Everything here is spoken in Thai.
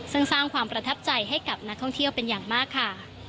ซึ่งสร้างความประทับใจให้กับนักท่องเที่ยวเป็นอย่างมากค่ะ